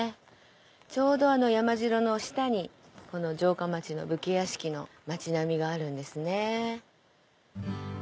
ちょうど山城の下にこの城下町の武家屋敷の町並みがあるんですね。